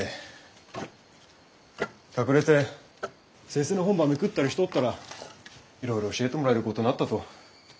隠れて先生の本ばめくったりしとったらいろいろ教えてもらえるごとなったと。